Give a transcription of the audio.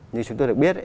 như chúng tôi được biết